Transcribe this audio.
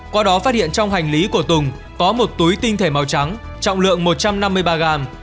qua đó phát hiện trong hành lý của tùng có một túi tinh thể màu trắng trọng lượng một trăm năm mươi ba gram